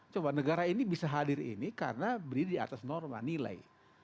coba negara ini bisa hadir ini karena berdiri di atas norma nilai